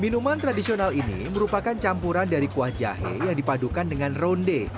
minuman tradisional ini merupakan campuran dari kuah jahe yang dipadukan dengan ronde